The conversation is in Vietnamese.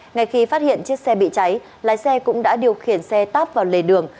ngày khi phát hiện chiếc xe bị cháy lái xe cũng đã điều khiển xe tát vào lề đường